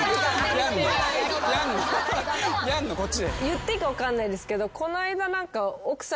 言っていいか分かんないですけどこの間奥さんに。